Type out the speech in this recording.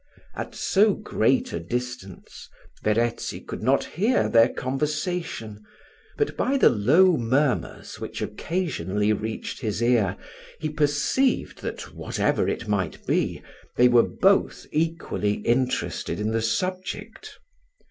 At so great a distance, Verezzi could not hear their conversation; but, by the low murmurs which occasionally reached his ear, he perceived that, whatever it might be, they were both equally interested in the subject.